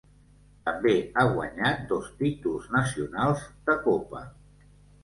També ha guanyat dos títols nacionals de copa.